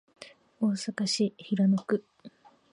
大阪市平野区